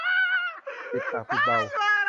ปิดหนักปิดเบา